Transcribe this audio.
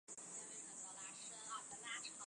梁洛施至今未婚。